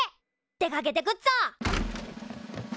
出かけてくっぞ！